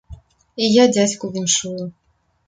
І я дзядзьку віншую.